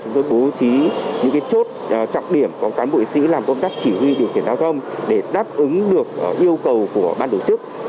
chúng tôi bố trí những chốt trọng điểm có cán bộ sĩ làm công tác chỉ huy điều khiển giao thông để đáp ứng được yêu cầu của ban tổ chức